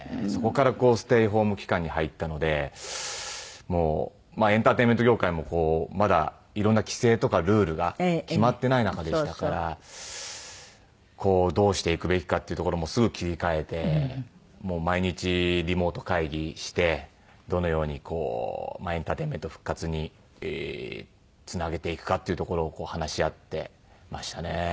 そこからステイホーム期間に入ったのでもうまあエンターテインメント業界もまだいろんな規制とかルールが決まってない中でしたからこうどうしていくべきかっていうところもすぐ切り替えて毎日リモート会議してどのようにこうエンターテインメントを復活につなげていくかっていうところを話し合ってましたね。